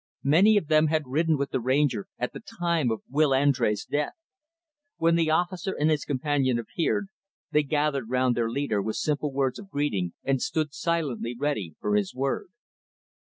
Many of them had ridden with the Ranger at the time of Will Andrés' death. When the officer and his companion appeared, they gathered round their leader with simple words of greeting, and stood silently ready for his word.